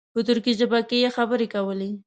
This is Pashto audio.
په ترکي ژبه یې خبرې کولې.